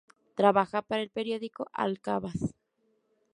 Trabaja para el periódico "Al-Qabas".